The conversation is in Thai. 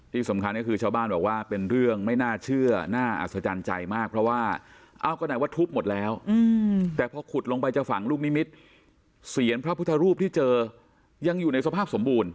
ที่สำคัญก็คือชาวบ้านบอกว่าเป็นเรื่องไม่น่าเชื่อน่าอัศจรรย์ใจมากเพราะว่าเอ้าก็ไหนว่าทุบหมดแล้วแต่พอขุดลงไปจะฝังลูกนิมิตรเสียนพระพุทธรูปที่เจอยังอยู่ในสภาพสมบูรณ